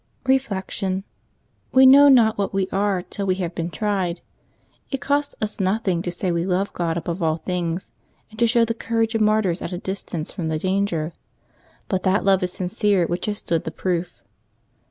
Reflection. — We know not what we are till we have been tried. It costs nothing to say we love God above all things, and to show the courage of martyrs at a distance from the danger ; but that love is sincere which has stood the proof.